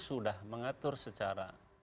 sudah mengatur secara